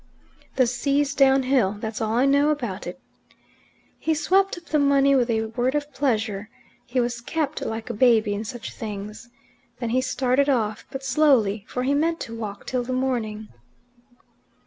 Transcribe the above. "The sea's downhill. That's all I know about it." He swept up the money with a word of pleasure: he was kept like a baby in such things. Then he started off, but slowly, for he meant to walk till the morning.